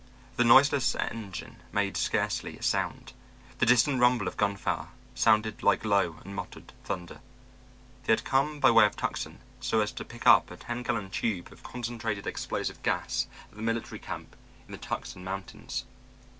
The noiseless engine made scarcely a sound; the distant rumble of gunfire sounded like low and muttering thunder. They had come by way of Tucson so as to pick up a ten gallon tube of concentrated explosive gas at the military camp in the Tucson mountains.